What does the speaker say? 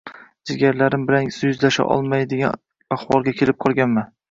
Jigarlarim bilan yuzlasha olmaydigan ahvolga kelib qolganman